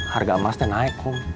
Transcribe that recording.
harga emasnya naik kum